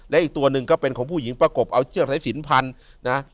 และอีกตัวหนึ่งก็เป็นของผู้หญิงประกบเอาเชือกสายสินพันนะ